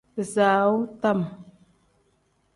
Bisaawu tam.